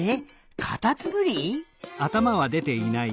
カタツムリ？